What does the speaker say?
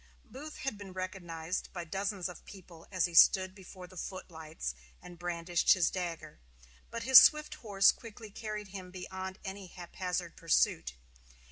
Booth had been recognized by dozens of people as he stood before the footlights and brandished his dagger; but his swift horse quickly carried him beyond any haphazard pursuit.